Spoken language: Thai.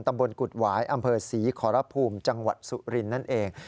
ตำบลกุฎหวายอำเภอศรีขอรภูมิจังหวัดสุรินทร์นั่นเอง